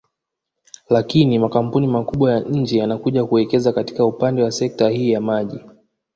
Lakini makampuni makubwa ya nje yanakuja kuwekeza katika upande wa sekta hii ya maji